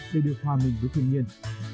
để được hòa mình với thương nhiên